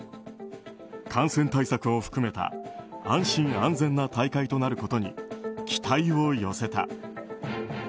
感染対策を含めた安心・安全な大会となることに期待を寄せた。